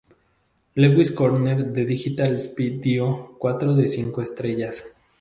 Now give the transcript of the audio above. Lewis Corner de Digital Spy dio cuatro de cinco estrellas.